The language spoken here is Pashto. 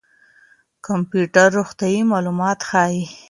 کمپيوټر روغتيايي معلومات ښيي.